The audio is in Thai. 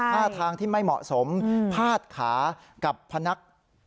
ท่าทางที่ไม่เหมาะสมพาดขากับพนัก